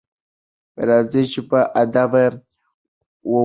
راځئ چې باادبه واوسو.